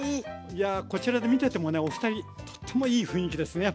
いやこちらで見ててもねお二人とってもいい雰囲気ですね